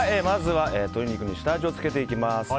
まずは鶏肉に下味をつけていきます。